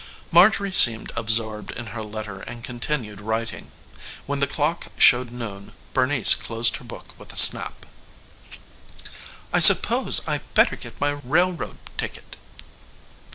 Marjorie seemed absorbed in her letter and continued writing. When the clock showed noon Bernice closed her book with a snap. "I suppose I'd better get my railroad ticket."